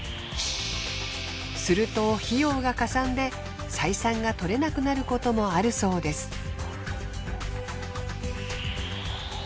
すると費用がかさんで採算がとれなくなることもあるそうです。